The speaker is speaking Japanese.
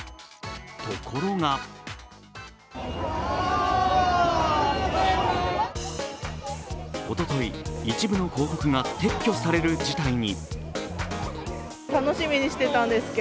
ところがおととい、一部の広告が撤去される事態に。